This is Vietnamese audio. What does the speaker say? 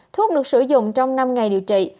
thuốc được sử dụng trong năm ngày điều trị